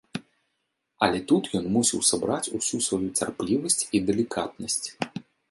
Але тут ён мусіў сабраць усю сваю цярплівасць і далікатнасць.